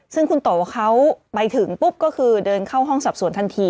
ซึ่งคุณโตเขาไปถึงปุ๊บก็คือเดินเข้าห้องสอบสวนทันที